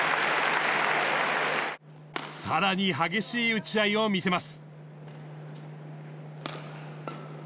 さらに激しい打ち合いを見せます。